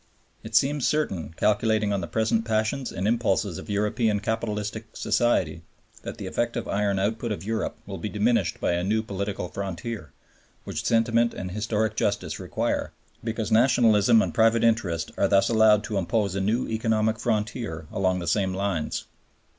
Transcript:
It seems certain, calculating on the present passions and impulses of European capitalistic society, that the effective iron output of Europe will be diminished by a new political frontier (which sentiment and historic justice require), because nationalism and private interest are thus allowed to impose a new economic frontier along the same lines.